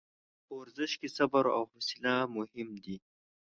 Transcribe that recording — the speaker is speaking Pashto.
په ورزش کې صبر او حوصله مهم دي.